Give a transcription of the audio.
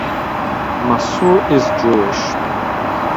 Masur is Jewish.